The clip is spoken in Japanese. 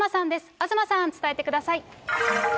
東さん、伝えてください。